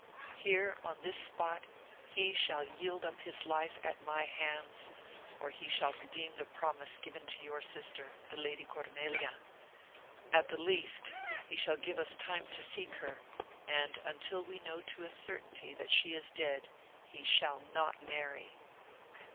Here, in this spot, he shall yield up his life at my hands, or he shall redeem the promise given to your sister, the lady Cornelia. At the least, he shall give us time to seek her; and until we know to a certainty that she is dead, he shall not marry."